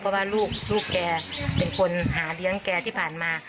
เพราะว่าลูกแกเป็นคนหาเลี้ยงแกที่ผ่านมา